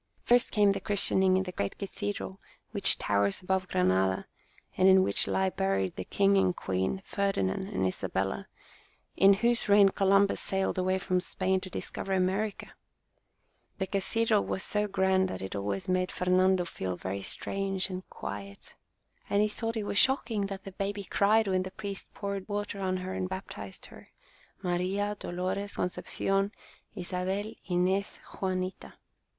First came the christening in the great Cathe dral which towers above Granada, and in which lie buried the king and queen, Ferdi nand and Isabella, in whose reign Columbus sailed away from Spain to discover America. The Christening 3 The Cathedral was so grand that it always made Fernando feel very strange and quiet, and he thought it was shocking that the baby cried when the priest poured water on her and baptized her, Maria Dolores Concepcion Isabel Inez Juanita.